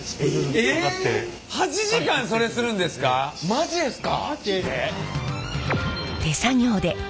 マジですか？